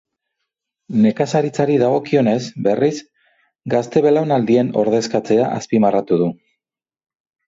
Nekazaritzari dagokionez, berriz, gazte belaunaldien ordezkatzea azpimarratu du.